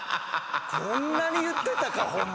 こんなに言ってたか本物。